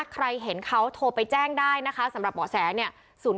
ใครเห็นเขาโทรไปแจ้งได้นะคะสำหรับเบาะแสเนี่ย